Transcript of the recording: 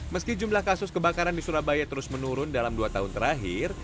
meski jumlah kasus kebakaran di surabaya terus menurun dalam dua tahun terakhir